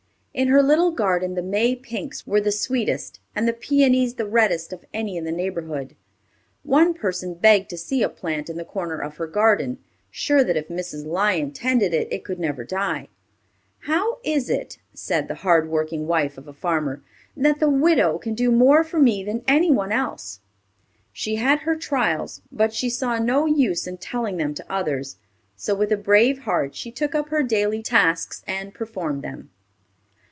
In her little garden the May pinks were the sweetest and the peonies the reddest of any in the neighborhood. One person begged to set a plant in the corner of her garden, sure that if Mrs. Lyon tended it, it could never die. "How is it," said the hard working wife of a farmer, "that the widow can do more for me than any one else?" She had her trials, but she saw no use in telling them to others, so with a brave heart she took up her daily tasks and performed them.